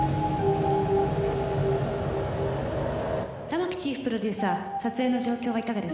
「玉木チーフプロデューサー撮影の状況はいかがですか？」